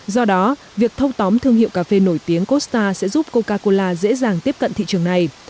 do đó việc thâu tóm thương hiệu cà phê nổi tiếng costa sẽ giúp coca cola dễ dàng tiếp cận thị trường này